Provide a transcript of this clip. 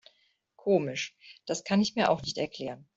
Komisch, das kann ich mir auch nicht erklären.